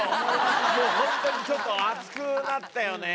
もう本当にちょっと熱くなったよね。